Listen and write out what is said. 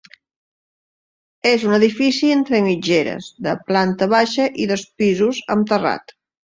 És un edifici entre mitgeres, de planta baixa i dos pisos, amb terrat.